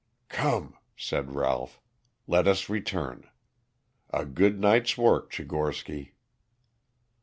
"Come," said Ralph, "let us return. A good night's work, Tchigorsky!"